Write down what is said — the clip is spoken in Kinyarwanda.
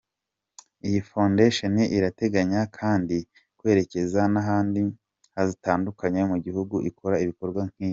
Iyi Foundation irateganya kandi kwerekeza n’ahandi hatandukanye mu gihugu ikora ibikorwa nk’ibi.